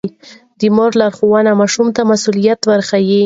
د مور لارښوونه ماشوم ته مسووليت ورښيي.